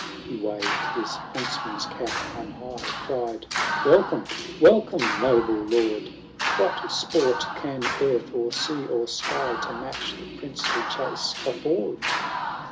VII He waved his huntsman's cap on high, Cried, ""Welcome, welcome, noble lord! What sport can earth, or sea, or sky, To match the princely chase afford